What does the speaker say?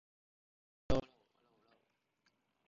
He also served on the Natural Resources Committee.